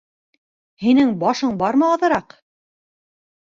Һинең башың бармы аҙыраҡ?